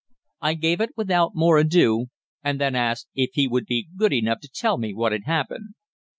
I gave it without more ado, and then asked if he would be good enough to tell me what had happened.